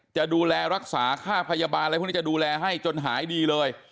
จะดูแลรักษาค่าพยาบาลอะไรพวกนี้จะดูแลให้จนหายดีเลย